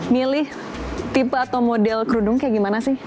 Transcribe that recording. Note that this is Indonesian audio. milih tipe atau model kerudung kayak gimana sih